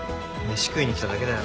飯食いに来ただけだよ。